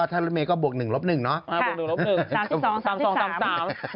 ถ้าไม่มีก็บวกหนึ่งลบหนึ่งเนอะค่ะบวกหนึ่งลบหนึ่งสามสี่สองสามสี่สาม